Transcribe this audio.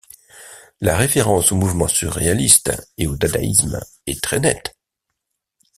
La référence au mouvement surréaliste et au dadaïsme est très nette.